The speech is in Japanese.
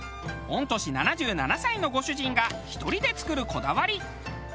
御年７７歳のご主人が１人で作るこだわり。